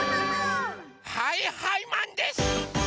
はいはいマンです！